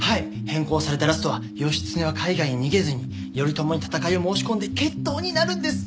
変更されたラストは義経は海外に逃げずに頼朝に戦いを申し込んで決闘になるんです。